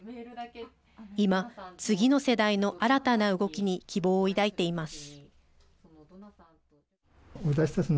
今、次の世代の新たな動きに希望を抱いています。